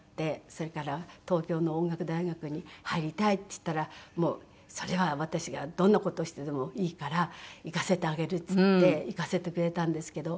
それから「東京の音楽大学に入りたい」って言ったら「それは私がどんな事をしてでもいいから行かせてあげる」って言って行かせてくれたんですけど。